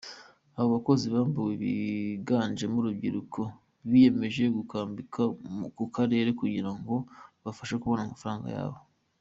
Abobakozi bambuwe, biganjemo urubyiruko, biyemeje gukambika ku karere kugira ngo kabafashe kubona amafaranga yabo.